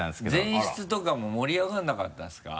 前室とかも盛り上がらなかったんですか？